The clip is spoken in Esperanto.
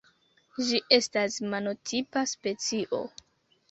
Ĝi estas monotipa specio.